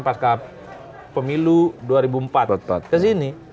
pas pemilu dua ribu empat ke sini